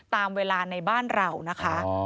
ตามเวลาในบ้านเรานะคะ